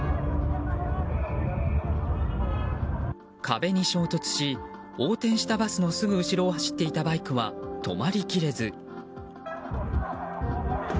壁に衝突し、横転したバスのすぐ後ろを走っていたバイクは止まりきれず。